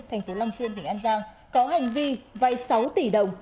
thành phố long xuyên tỉnh an giang có hành vi vay sáu tỷ đồng